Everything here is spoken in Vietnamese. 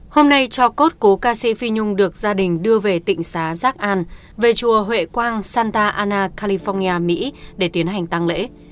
hôm nay cho cốt cố ca sĩ phi nhung được gia đình đưa về tịnh xá giác an về chùa huệ quang santa ana california mỹ để tiến hành tăng lễ